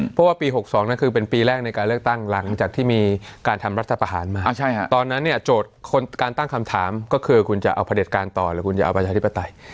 เพราะว่าปี๖๒นั้นคือเป็นปีแรกในการเลือกตั้งหลังจากที่มีการทำรัฐประหารมาตอนนั้นเนี่ยโจทย์การตั้งคำถามก็คือคุณจะเอาผลิตการต่อหรือคุณจะเอาประชาธิปไตย